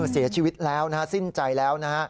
เสียชีวิตแล้วสิ้นใจแล้ว